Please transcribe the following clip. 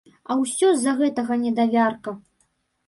А ўсё з-за гэтага недавярка.